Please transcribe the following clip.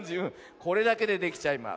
これだけでできちゃいます。